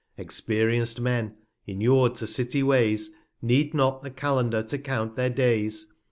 Experienc'd Men, inur'd to City Ways, Need not the Calendar to count their Days.